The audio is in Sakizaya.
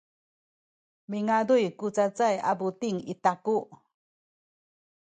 midanguy ku cacay a buting i taku.